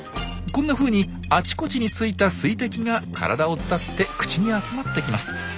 こんなふうにあちこちについた水滴が体を伝って口に集まってきます。